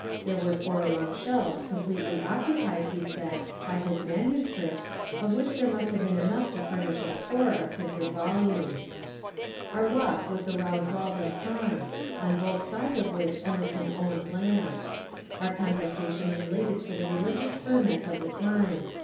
There were four long shelves completely occupied, he said, by his MSS., of which there must have been enough to furnish a score of prijited volumes. Our walk was around Walden Pond, on both sides of which Emerson owned land. Our conversation related to the reli gious ferment of the time.